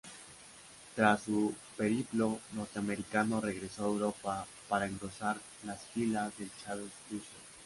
Tras su periplo norteamericano regresó a Europa para engrosar las filas del Chaves luso.